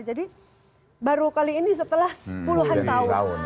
jadi baru kali ini setelah puluhan tahun